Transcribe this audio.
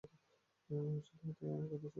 সত্যমুর্তি আমার কথা শোনো।